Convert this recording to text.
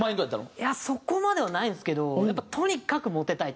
いやそこまではないんですけどやっぱ。